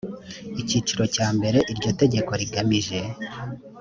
icyiciro cya mbere icyo itegeko rigamije